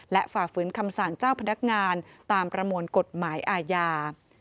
และฝ่าฝืนคำสั่งเจ้าพนักงานตามประมวลกฎหมายอาญา